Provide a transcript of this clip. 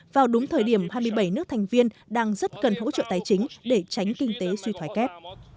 vào đúng thời điểm hai mươi bảy nước thành viên đang rất cần hỗ trợ tài chính để tránh kinh tế suy thoái kép